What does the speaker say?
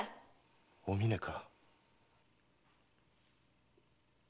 お峰か？